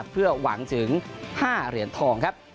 เพื่อหวังถึง๕เหรียญทองครับ